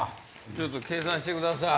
ちょっと計算してください。